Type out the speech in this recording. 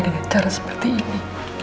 dengan cara seperti ini